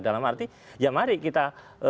dalam arti ya mari kita